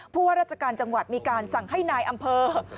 ว่าราชการจังหวัดมีการสั่งให้นายอำเภอ